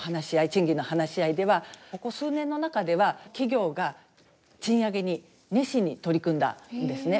賃金の話し合いではここ数年の中では企業が賃上げに熱心に取り組んだんですね。